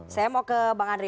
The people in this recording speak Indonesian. saya mau ke bang andri